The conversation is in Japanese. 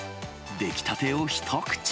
出来たてを一口。